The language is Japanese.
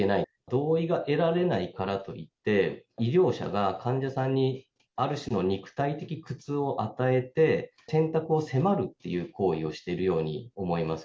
同意が得られないからといって、医療者が患者さんにある種の肉体的苦痛を与えて、選択を迫るという行為をしているように思います。